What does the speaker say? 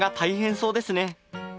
そうですね。